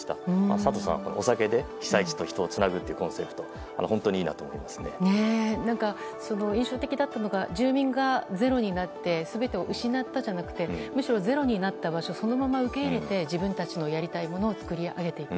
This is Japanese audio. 佐藤さん、お酒で被災地と人をつなぐというコンセプト印象的だったのが住民がゼロになって全てを失ったじゃなくてむしろゼロになった場所をそのまま受け入れて自分たちのやりたいものを作り上げていく。